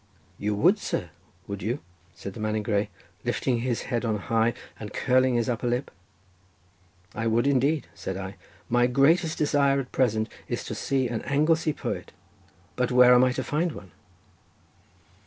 "You would, sir, would you?" said the man in grey, lifting his head on high, and curling his upper lip. "I would, indeed," said I, "my greatest desire at present is to see an Anglesey poet, but where am I to find one?"